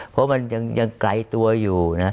เพราะมันยังไกลตัวอยู่นะ